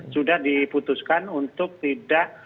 sudah diputuskan untuk tidak